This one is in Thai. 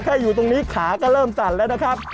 อยู่ตรงนี้ขาก็เริ่มสั่นแล้วนะครับ